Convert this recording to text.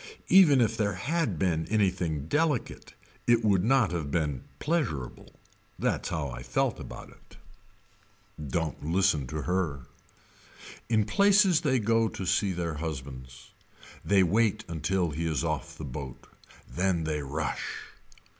Even if there had been anything delicate it would not have been pleasurable. That's how I felt about it. Don't listen to her. In places they go to see their husbands. They wait until he is off the boat. Then they rush.